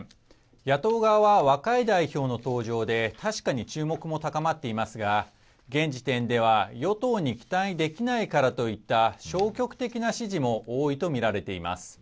野党側は若い代表の登場で確かに注目も高まっていますが現時点では与党に期待できないからといった消極的な支持も多いとみられています。